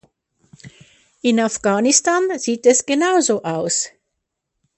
In Afghanistan sieht es genauso aus.